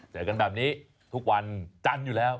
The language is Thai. เจอกันแบบนี้ทุกวันจันทร์อยู่แล้ว